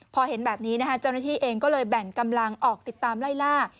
พอเห็นแบบนี้นะคะเจ้าหน้าที่เองก็เลยแบ่งกำลังออกติดตามไล่ล่า